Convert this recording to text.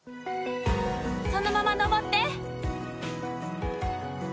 そのまま登って。